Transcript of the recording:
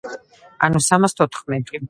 ანუ სამას თოთხმეტი.